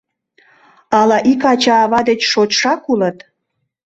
Ала ик ача-ава деч шочшак улыт?